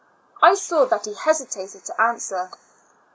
I saw that he hesitated to answer.